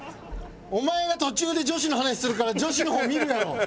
お前が途中で女子の話するから女子の方見るやろ！